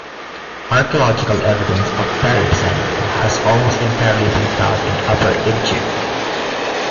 Archaeological evidence of Peribsen has almost entirely been found in Upper Egypt.